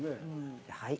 はい。